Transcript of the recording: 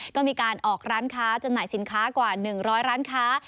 ก็มีการออกร้านค้าจำหน่ายสินค้ากว่า๑๐๐ร้านค้า